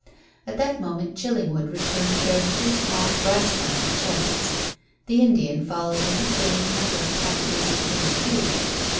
At that moment Chillingwood returned bearing two small brass bound chests. The Indian followed him bringing a number of packages of tinned food.